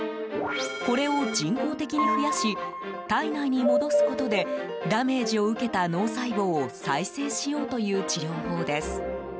これを人工的に増やし体内に戻すことでダメージを受けた脳細胞を再生しようという治療法です。